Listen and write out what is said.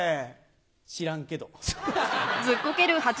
知らんけど。